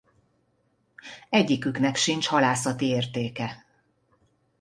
Egyiküknek sincs halászati értéke.